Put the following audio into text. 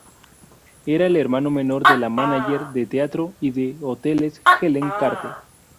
Era el hermano menor de la mánager de teatro y de hoteles Helen Carte.